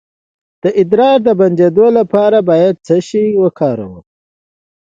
د ادرار د بندیدو لپاره باید څه شی وکاروم؟